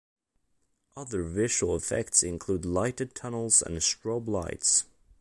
Other visual effects include lighted tunnels and strobe lights.